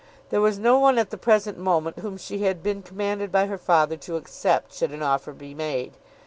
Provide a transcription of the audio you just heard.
There was no one at the present moment whom she had been commanded by her father to accept should an offer be made.